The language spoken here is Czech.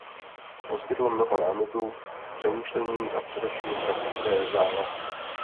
Poskytl mnoho námětů k přemýšlení a především praktické závazky.